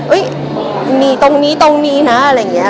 หนีตรงนี้ตรงนี้นะอะไรอย่างนี้